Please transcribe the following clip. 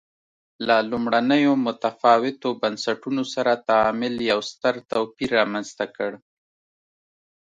له لومړنیو متفاوتو بنسټونو سره تعامل یو ستر توپیر رامنځته کړ.